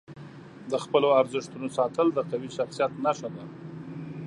د خپلو ارزښتونو ساتل د قوي شخصیت نښه ده.